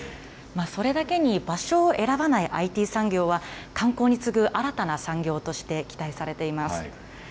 それだけに場所を選ばないＩＴ産業は、観光に次ぐ新たな産業として期待されています。